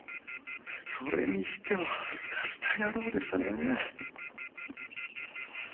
それにしてもすかした野郎でしたね。